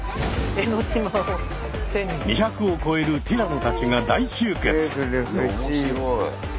２００を超えるティラノたちが大集結。